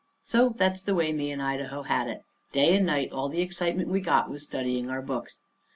So that's the way me and Idaho had it. Day and night all the excitement we got was studying our books.